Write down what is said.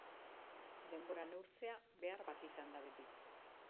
denbora neurtzea behar bat izan da beti